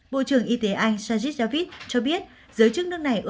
bộ trưởng y tế anh sajid javid cho biết giới chức nước này